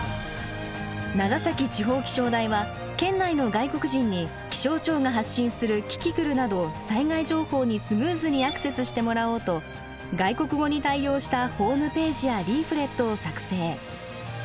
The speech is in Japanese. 長崎地方気象台は県内の外国人に気象庁が発信するキキクルなど災害情報にスムーズにアクセスしてもらおうと外国語に対応したホームページやリーフレットを作成。